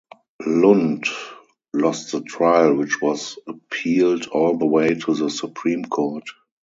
Lund lost the trial which was appealed all the way to the Supreme Court.